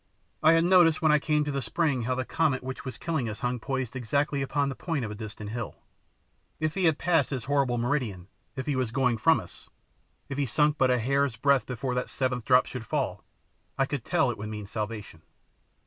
I had noticed when I came to the spring how the comet which was killing us hung poised exactly upon the point of a distant hill. If he had passed his horrible meridian, if he was going from us, if he sunk but a hair's breadth before that seventh drop should fall, I could tell it would mean salvation.